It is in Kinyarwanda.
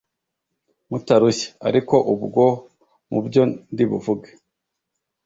mutarushye. ariko ubwo mubyo ndibuvuge